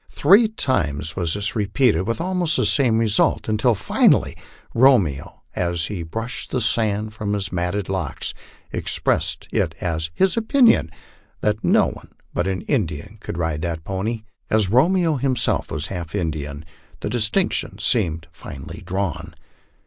Three times was this repeated, with almost the same result, until finally Romeo, as he brushed the sand from his matted locks, expressed it .is his opinion that no one but an Indian could ride that pony. As Romeo was half Indian, the distinction seemed finely drawn.